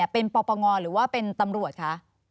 เป็นปปงหรือว่าเป็นตำรวจคะ